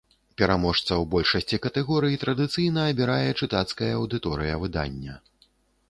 Пераможцаў большасці катэгорый традыцыйна абірае чытацкая аўдыторыя выдання.